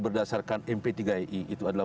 berdasarkan mp tiga i itu adalah